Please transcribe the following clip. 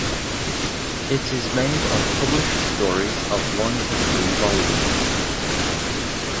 It is made of published stories of one to three volumes.